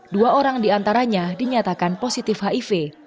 dua orang diantaranya dinyatakan positif hiv